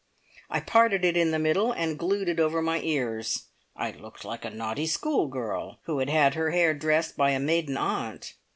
I parted it in the middle, and glued it over my ears. I looked like a naughty schoolgirl, who had had her hair dressed by a maiden aunt.